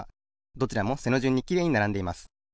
どちらも背のじゅんにきれいにならんでいます。